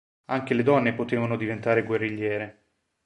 Anche le donne potevano diventare guerrigliere.